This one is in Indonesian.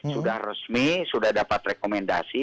sudah resmi sudah dapat rekomendasi